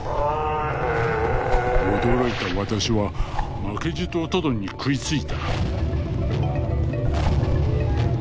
「驚いた私は負けじとトドに食いついた」。